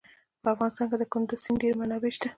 په افغانستان کې د کندز سیند ډېرې منابع شته.